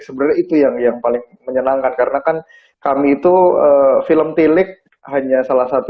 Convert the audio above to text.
sebenarnya itu yang yang paling menyenangkan karena kan kami itu film tilik hanya salah satu